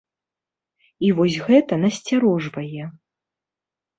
І вось гэта насцярожвае.